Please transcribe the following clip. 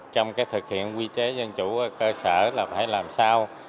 trong cái thực hiện quy chế dân chủ cơ sở là phải làm sao